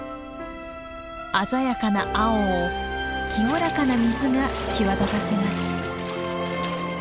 鮮やかな青を清らかな水が際立たせます。